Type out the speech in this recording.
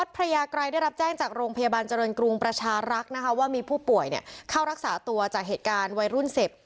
พระยาไกรได้รับแจ้งจากโรงพยาบาลเจริญกรุงประชารักษ์นะคะว่ามีผู้ป่วยเข้ารักษาตัวจากเหตุการณ์วัยรุ่น๑๐